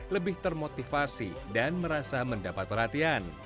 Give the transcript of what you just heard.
lebih termotivasi dan merasa mendapat perhatian